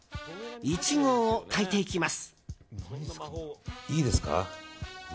１合を炊いていきます。